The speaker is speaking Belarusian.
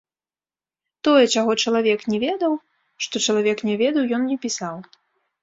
Тое, чаго чалавек не ведаў, што чалавек не ведаў, ён не пісаў.